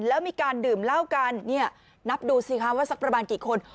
แล้วมีการดื่มเหล้ากันเนี่ยนับดูสิคะว่าสักประมาณกี่คน